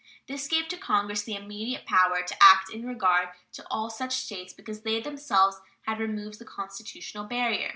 This gave to Congress the immediate power to act in regard to all such States, because they themselves had removed the constitutional barrier.